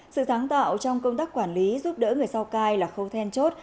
sự sáng tạo trong công tác quản lý giúp đỡ người sao cai là khâu then chốt